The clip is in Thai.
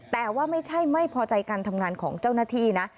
แต่ว่าไม่ใช่ไม่พอใจการทำงานของเจ้าหน้าที่นะ